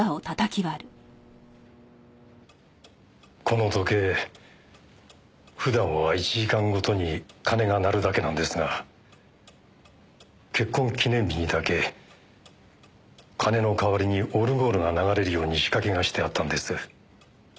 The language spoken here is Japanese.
この時計普段は１時間ごとに鐘が鳴るだけなんですが結婚記念日にだけ鐘の代わりにオルゴールが流れるように仕掛けがしてあったんです。